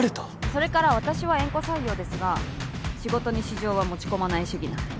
それから私は縁故採用ですが仕事に私情は持ち込まない主義なんで。